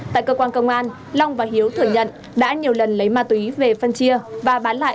tại cơ quan công an long và hiếu thừa nhận đã nhiều lần lấy ma túy về phân chia và bán lại